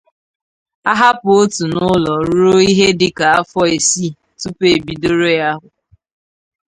a hapụ otu n’ụlọ rue ihe dị ka afọ isii tupu e bidoro ya akwụkwọ.